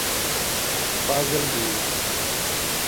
فاضل دین